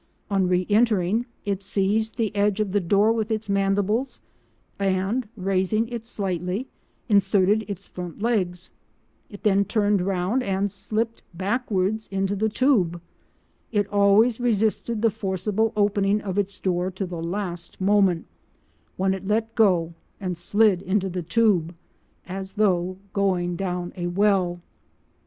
On re entering, it seized the edge of the door with its mandibles, and, raising it slightly, inserted its front legs. It then turned round and slipped backwards into the tube. It always resisted the forcible opening of its door to the last moment, when it let go and slid into the tube "as though going down a well."